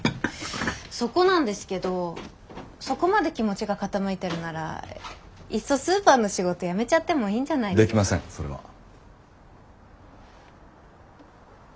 そこなんですけどそこまで気持ちが傾いてるならいっそスーパーの仕事やめちゃってもいいんじゃない。できませんそれは。